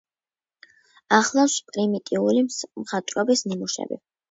ახლავს პრიმიტიული მხატვრობის ნიმუშები.